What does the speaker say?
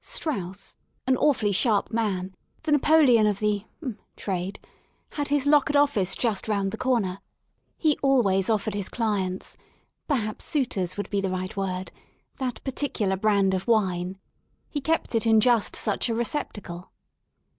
Strauss, an awfully sharp man^ the Napoleon of the ... Trade, had his lockered office just round the corner: he always offered his clients — perhaps suitors" would be the right word — that particular brand of wine. He kept it in just such a receptacle.